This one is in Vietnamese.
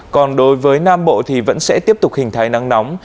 còn đối với nam bộ thì vẫn sẽ tiếp tục hình thái nắng nóng